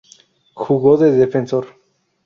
Jugó de defensor.